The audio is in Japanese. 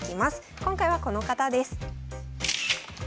今回はこの方です。